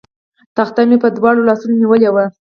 تخته مې په دواړو لاسونو نیولې وه.